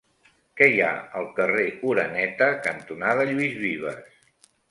Què hi ha al carrer Oreneta cantonada Lluís Vives?